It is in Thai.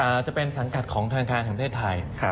อัจะเป็นสังคัญของฐานทางแถมเทศไทย